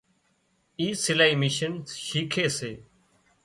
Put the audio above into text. اِي سلائي مِشين شيکي سي